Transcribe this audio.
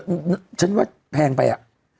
ฉันว่าแพงไปอ่ะ